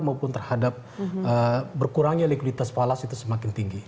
maupun terhadap berkurangnya likuiditas palas itu semakin tinggi